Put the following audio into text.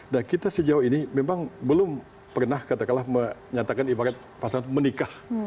nah kita sejauh ini memang belum pernah katakanlah menyatakan ibarat pasangan menikah